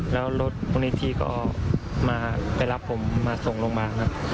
แล้วรถมูลนิธิก็มาไปรับผมมาส่งโรงพยาบาลครับ